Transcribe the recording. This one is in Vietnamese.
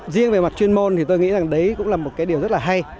riêng về mặt chuyên môn thì tôi nghĩ rằng đấy cũng là một cái điều rất là hay